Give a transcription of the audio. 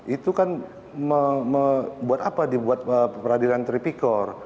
itu kan membuat apa dibuat peradilan tripikor